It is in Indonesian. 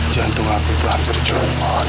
jantung aku tuh hampir jorok